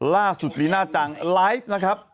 ล่าสุดอีหน้าจังไลฟ์นะครับ